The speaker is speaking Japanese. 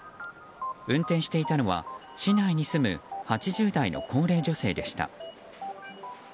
運転していたのは市内に住む８０代の高齢女性でした。